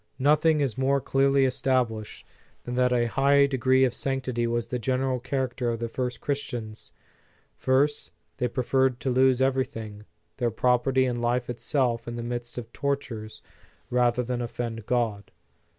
Nothing is more clearly established, than that a high degree of sanctity was the general character of the early Christians. First, they preferred to lose everything, their property and life itself in the midst of tortures, rather than offend God.